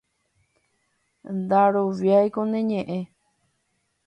ndaroviáiko ne ñe'ẽ